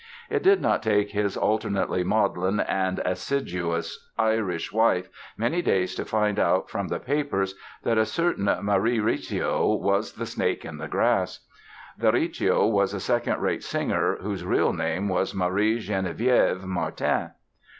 It did not take his alternately maudlin and aciduous Irish wife many days to find out from the papers that a certain Marie Recio was the snake in the grass. The Recio was a second rate singer, whose real name was Marie Genevieve Martin.